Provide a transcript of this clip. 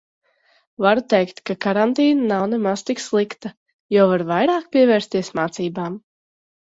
Varu teikt, ka karantīna nav nemaz tik slikta, jo var vairāk pievērsties mācībām.